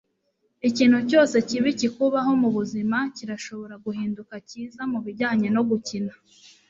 ikintu cyose kibi kikubaho mubuzima kirashobora guhinduka cyiza mubijyanye no gukina